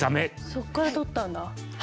そこから取ったんだ！